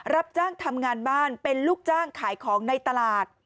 รับจ้างทำงานบ้านเป็นลูกจ้างขายของในตลาด